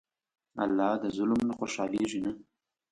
الله د ظلم نه خوشحالېږي نه.